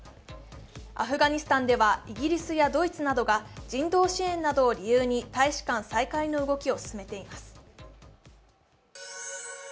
アフガニスタンではイギリスやドイツなどが人道支援などを理由に大使館再開の動きを進めています。